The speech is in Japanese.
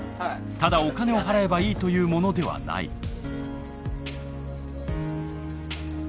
ただお金を払えばいいというものではない。